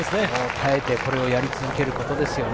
耐えて、これをやり続けることですよね。